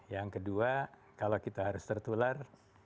yang kedua kalau kita harus tertular